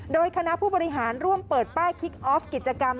โดยคณะผู้บริหารร่วมเปิดป้ายคิกออฟกิจกรรม